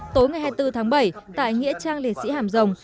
tối ngày hai mươi bốn tháng bảy tại nghĩa trang liệt sĩ hàm rồng